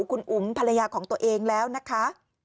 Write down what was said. คุณอุ๋มภรรยาของตัวเองแล้วนะคะ